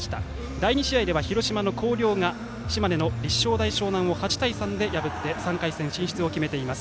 第２試合では広島の広陵が島根の立正大淞南を８対３で破って３回戦進出を決めています。